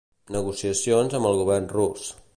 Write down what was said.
Negociacions amb el govern rus.